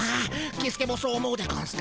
キスケもそう思うでゴンスか！